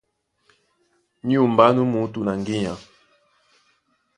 Ní unmbá nú muútú na ŋgínya.